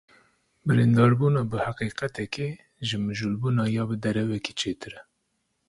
Birîndarbûna bi heqîqetekê, ji mijûlbûna ya bi derewekê çêtir e.